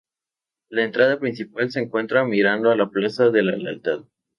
La entrada principal se encuentra mirando a la Plaza de la Lealtad.